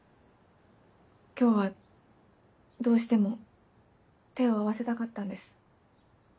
今日はどうしても手を合わせたかったんです。